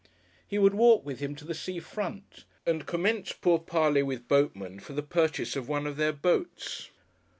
He would walk with him to the sea front, and commence pourparlers with boatmen for the purchase of one of their boats.